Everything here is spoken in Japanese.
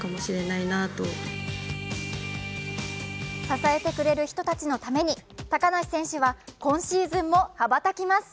支えてくれる人たちのために高梨選手は今シーズンも羽ばたきます。